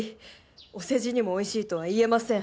お世辞にもおいしいとは言えません。